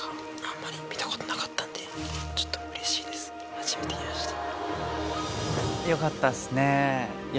初めて見ました。